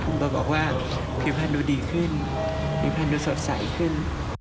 เพื่อบอกว่าพิพันธุดีขึ้นพิพันธุสดใสขึ้น